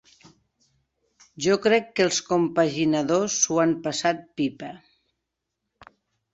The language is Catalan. Jo crec que els compaginadors s'ho han passat pipa.